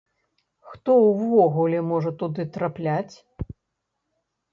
Хто ўвогуле можа туды трапляць?